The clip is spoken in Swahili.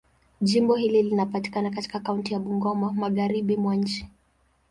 Jimbo hili linapatikana katika kaunti ya Bungoma, Magharibi mwa nchi.